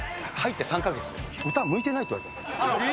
入って３か月で、歌向いてないって言われた。